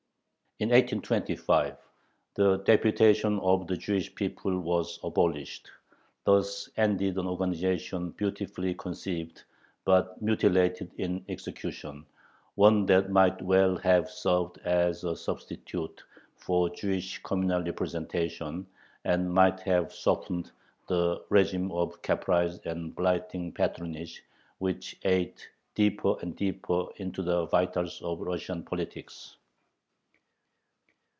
In 1825 the "Deputation of the Jewish People" was abolished. Thus ended an organization beautifully conceived, but mutilated in execution, one that might well have served as a substitute for Jewish communal representation, and might have softened the régime of caprice and blighting patronage which ate deeper and deeper into the vitals of Russian politics.